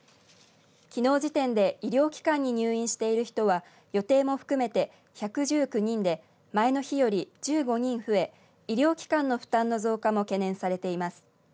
きのう時点で医療機関に入院している人は予定も含めて１１９人で前の日より１５人増え医療機関の負担の増加も懸念されています。